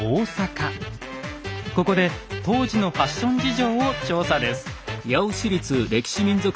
ここで当時のファッション事情を調査です。